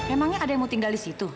emangnya ada yang mau tinggal di situ